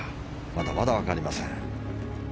まだまだ分かりません。